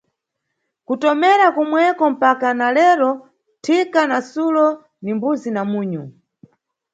Kutomera kumweko mpaka na kero thika na sulo ndi mbuzi na munyu.